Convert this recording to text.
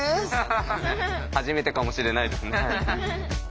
初めてかもしれないです。